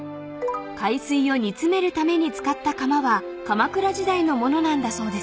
［海水を煮詰めるために使った釜は鎌倉時代の物なんだそうですよ］